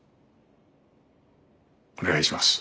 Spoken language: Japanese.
お願いします。